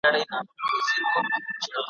خو نیژدې نه سوای ورتللای څوک له ویري `